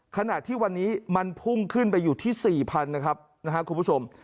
ขณะที่วันนี้มันพุ่งขึ้นไปอยู่ที่๔๐๐๐นะครับนะครับคุณผู้ชม